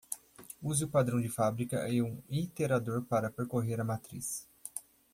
Use o padrão de fábrica e um iterador para percorrer a matriz.